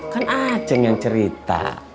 kan acing yang cerita